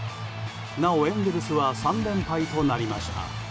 なお、エンゼルスは３連敗となりました。